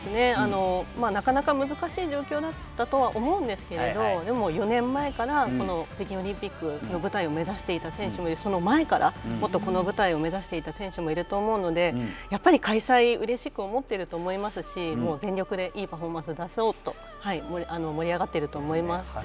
なかなか難しい状況だったとは思うんですけどでも、４年前から北京オリンピックの舞台を目指していた選手やその前からこの舞台を目指していた選手もいると思うのでやっぱり開催うれしく思っていると思いますし全力でいいパフォーマンスを出そうと盛り上がってると思います。